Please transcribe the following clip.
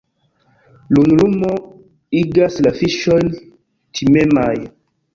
Lunlumo igas la fiŝojn timemaj.